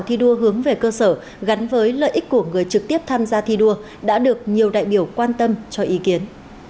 thi đua hướng về cơ sở gắn với lợi ích của người trực tiếp tham gia thi đua đã được nhiều đại biểu quan tâm cho ý kiến